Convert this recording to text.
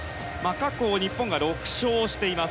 過去日本が６勝しています。